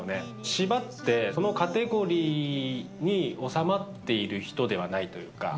斯波ってそのカテゴリーに収まっている人ではないというか。